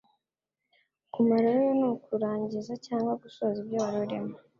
Kumarayo n' ukurangiza cyangwa gusoza ibyo warurimo